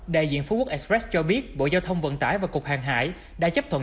đại diện phú quốc express cho biết bộ giao thông vận tải và cục hàng hải đã chấp thuận